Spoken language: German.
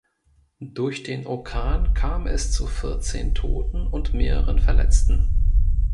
Durch den Orkan kam es zu vierzehn Toten und mehreren Verletzten.